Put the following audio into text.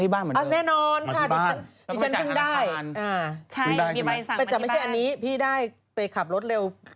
แต่เหมือนบางทีเปลี่ยนใจแล้ว